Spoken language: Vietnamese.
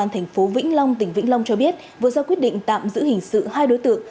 thành phố vĩnh long tỉnh vĩnh long cho biết vừa ra quyết định tạm giữ hình sự hai đối tượng